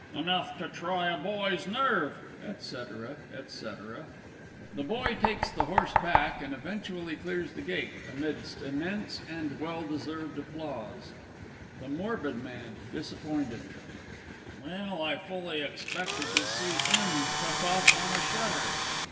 Enough to try a boy's nerve! &c., &c. [The Boy takes the horse back, and eventually clears the gate amidst immense and well deserved applause. THE MORBID MAN (disappointed). Well, I fully expected to see 'im took off on a shutter.